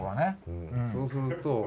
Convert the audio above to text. そうすると。